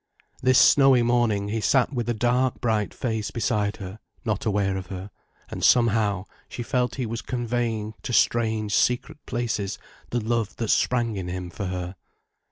This snowy morning, he sat with a dark bright face beside her, not aware of her, and somehow, she felt he was conveying to strange, secret places the love that sprang in him for her.